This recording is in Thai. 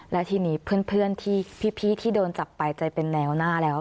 และทีนี้เพื่อนที่พี่ที่โดนจับไปใจเป็นแนวหน้าแล้ว